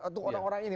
untuk orang orang ini